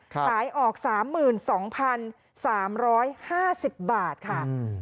ขายออกสามหมื่นสองพันสามร้อยห้าสิบบาทค่ะอืม